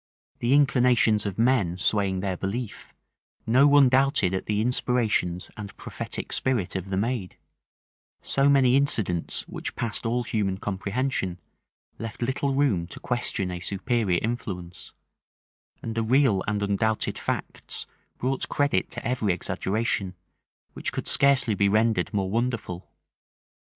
The inclinations of men swaying their belief, no one doubted of the inspirations and prophetic spirit of the maid: so many incidents which passed all human comprehension, left little room to question a superior influence: and the real and undoubted facts brought credit to every exaggeration, which could scarcely be rendered more wonderful.